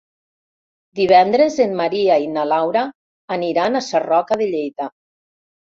Divendres en Maria i na Laura aniran a Sarroca de Lleida.